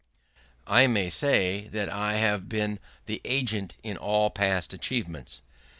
I may say I have been the agent in all past achievements.